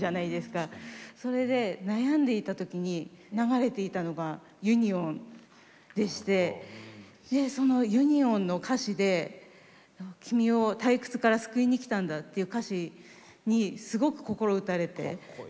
それで悩んでいたときに流れていたのが「ＵＮＩＯＮ」でしてその「ＵＮＩＯＮ」の歌詞で「君を“退屈”から救いに来たんだ！」っていう歌詞にすごく心打たれて。